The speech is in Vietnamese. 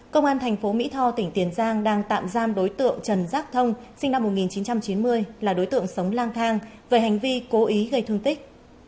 công an thành phố mỹ tho tỉnh tiền giang đang tạm giam đối tượng trần rác thông sinh năm một nghìn chín trăm chín mươi là đối tượng sống lang thang về hành vi cố ý gây thương tích